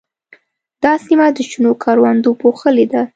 دا سیمه د شنو کروندو پوښلې ده.